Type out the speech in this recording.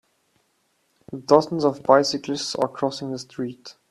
Dozens of bicyclists are crossing the street.